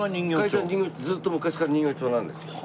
会社ずっと昔から人形町なんですよ。